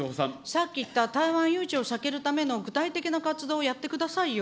さっき言った台湾有事を避けるための、具体的な活動をやってくださいよ。